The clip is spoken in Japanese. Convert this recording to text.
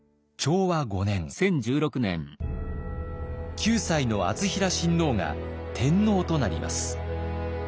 ９歳の敦成親王が天皇となります。